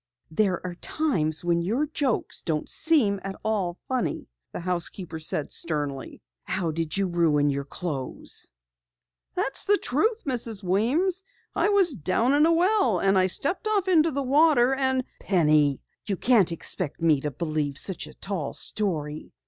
"There are times when your jokes don't seem at all funny," the housekeeper said sternly. "How did you ruin your clothes?" "That's the truth, Mrs. Weems. I was down in a well and I stepped off into the water " "Penny, you can't expect me to believe such a tall story.